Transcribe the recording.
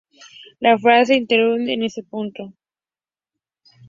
La frase se interrumpe en ese punto.